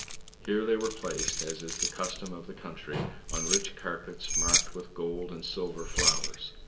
Here they were placed, as is the custom of the country, on rich carpets, marked with gold and silver flowers.